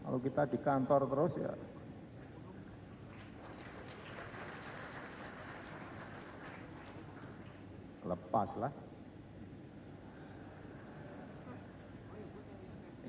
kalau kita di kantor terus ya lepas lah